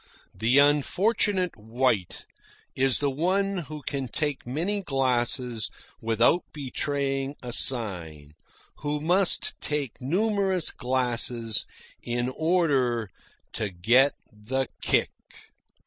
The unfortunate wight is the one who can take many glasses without betraying a sign, who must take numerous glasses in order to get the "kick."